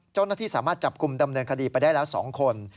เจ้านาฏีสามารถจับกุมดำเนินคดีไปได้แล้วสองคน